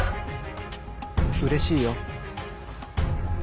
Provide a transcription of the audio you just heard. うれしいよ。